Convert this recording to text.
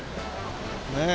ねえ。